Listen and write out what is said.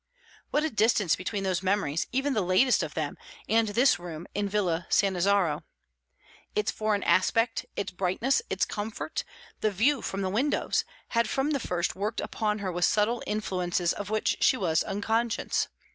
What a distance between those memories, even the latest of them, and this room in Villa Sannazaro! Its foreign aspect, its brightness, its comfort, the view from the windows, had from the first worked upon her with subtle influences of which she was unconscious.